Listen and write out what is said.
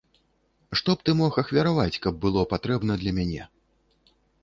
Што б ты мог ахвяраваць, каб было патрэбна для мяне?